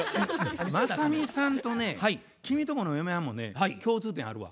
雅美さんとね君とこの嫁はんもね共通点あるわ。